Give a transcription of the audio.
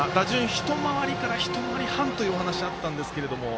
１回りから１回り半というお話あったんですけど。